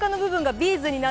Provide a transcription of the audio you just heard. ビーズ！